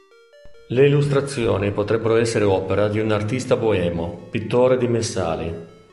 Le illustrazioni potrebbero essere opera di un artista boemo, pittore di messali.